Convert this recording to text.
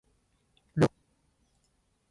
ludo